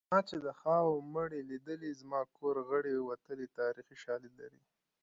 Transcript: ما چې د خاوو مړي لیدلي زما کور غړي وتلي تاریخي شالید لري